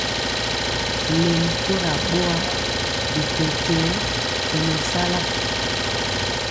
Lɛmi kora boa, bi kɛkɛɛ tɔmesala.